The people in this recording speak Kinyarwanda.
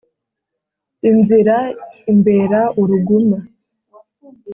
inzira imbera uruguma.